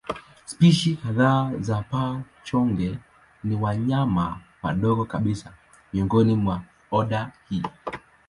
Spishi kadhaa za paa-chonge ni wanyama wadogo kabisa miongoni mwa oda hii.